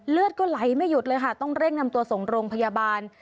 เลือดก็ไหลไม่หยุดเลยค่ะต้องเร่งนำตัวส่งโรงพยาบาล